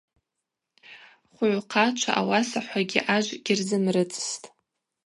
Хвыгӏвхъачва ауасахӏвагьи ажв гьырзымрыцӏстӏ.